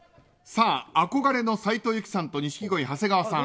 さあ、憧れの斉藤由貴さんと錦鯉、長谷川さん